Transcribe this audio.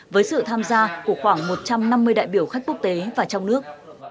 với sự tham gia của khoảng một trăm năm mươi đại biểu khách quốc tế và trong nước